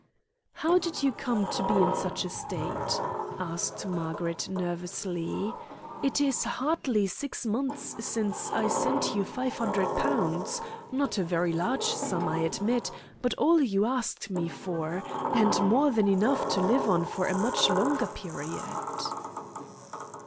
"How did you come to be in such a state?" asked Margaret nervously. "It is hardly six months since I sent you £500; not a very large sum, I admit, but all you asked me for, and more than enough to live on for a much longer period."